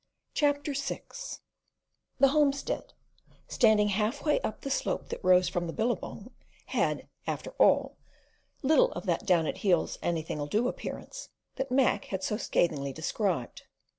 '" CHAPTER VI The homestead, standing half way up the slope that rose from the billabong, had, after all, little of that "down at heels, anything'll do" appearance that Mac had so scathingly described.